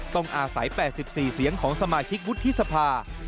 ต้องอาศัย๘๔เสียงของสมาชิกวุฒิสภา